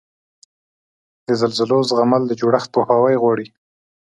د زلزلو زغمل د جوړښت پوهاوی غواړي.